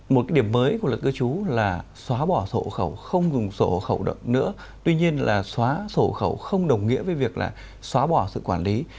một điểm mới của luật cư trú là xóa bỏ sổ hộ khẩu không dùng sổ khẩu động nữa tuy nhiên là xóa sổ khẩu không đồng nghĩa với việc là xóa bỏ sự quản lý